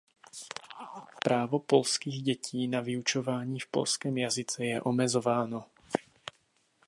Právo polských dětí na vyučování v polském jazyce je omezováno.